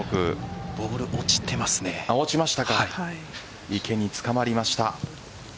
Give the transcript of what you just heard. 落ちまし池につかまりました。